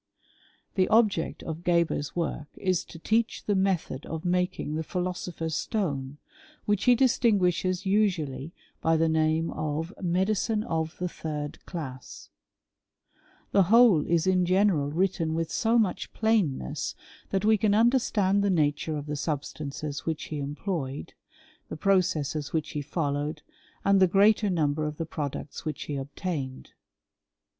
The object of Gcber's work is to teach the method of making the philosopher's stone, which he distin guishes usually by the name of medicine of the third cUas* The whole is in general written with so much plainness, that we can understand the nature of the substances which he employed, the processes which he followed, and the greater number of the products wliich he obtained.